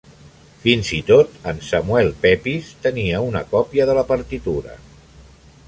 Fins i tot en Samuel Pepys tenia una còpia de la partitura .